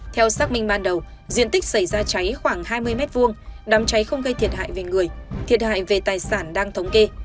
theo xác minh ban đầu diện tích xảy ra cháy khoảng hai mươi m hai đám cháy không gây thiệt hại về người thiệt hại về tài sản đang thống kê